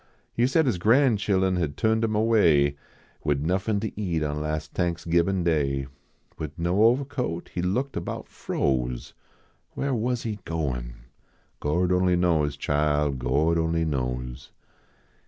He said his gran chilun had turned him away, Wid iiuffin to eat on las Thanksgibin Day. Wid no ovahcoat, He looked about froze. Whar was he goin ? Gord only knows, chile, Gord only knows.